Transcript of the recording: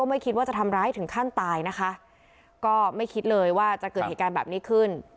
ไม่คิดว่าจะทำร้ายถึงขั้นตายนะคะก็ไม่คิดเลยว่าจะเกิดเหตุการณ์แบบนี้ขึ้น